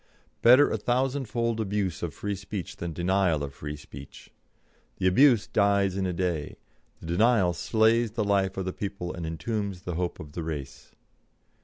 Better a thousandfold abuse of free speech than denial of free speech. The abuse dies in a day; the denial slays the life of the people and entombs the hope of the race.